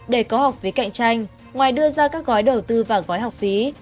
để có học phí cạnh tranh ngoài đưa ra các gói đầu tư vào gói học phí